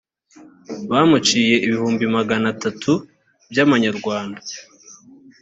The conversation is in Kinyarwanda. bamuciye ibihumbi magana atatu by’amanyarwanda